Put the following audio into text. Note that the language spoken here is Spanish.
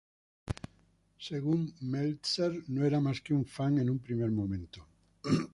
Según Meltzer, no era más que un fan en un primer momento.